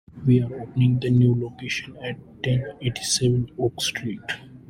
We are opening the a new location at ten eighty-seven Oak Street.